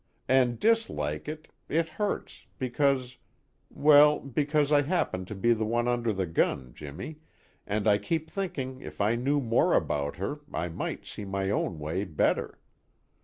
And dislike it, it hurts, because well, because I happen to be the one under the gun, Jimmy, and I keep thinking if I knew more about her I might see my own way better.